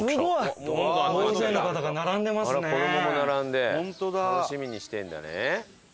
子供も並んで楽しみにしてるんだね。